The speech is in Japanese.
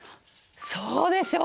そうでしょう！